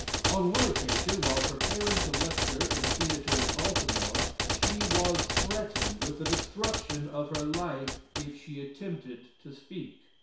On one occasion, while preparing to lecture in a theatre at Baltimore, she was threatened with the destruction of her life if she attempted to speak.